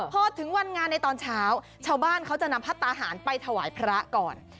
พอถึงวันงานในตอนเช้าชาวบ้านเขาจะนำพระตาหารไปถวายพระก่อน